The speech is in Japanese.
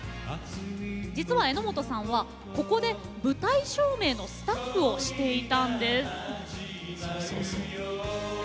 実は榎本さんは、ここで舞台照明のスタッフをしていたんです。